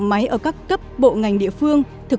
máy ở các cấp bộ ngành địa phương thực